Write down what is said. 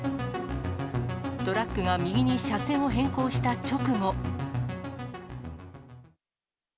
トラックが右に車線を変更した直後。